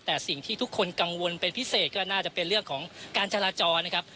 แต่สิ่งที่ทุกคนกังวลเป็นพิเศษก็น่าจะเป็นเรื่องของการจราจรนะครับ